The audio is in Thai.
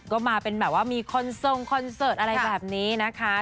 ก็มาเป็นแบบว่ามีคนทรงคอนเสิร์ตอะไรแบบนี้นะคะ